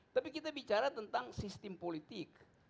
tapi kita bicara tentang sistem politik